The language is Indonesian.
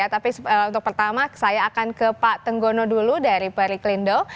tapi untuk pertama saya akan ke pak tenggono dulu dari perliklindo